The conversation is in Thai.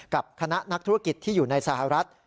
กับคณะนักธุรกิจที่อยู่ในสหรัฐ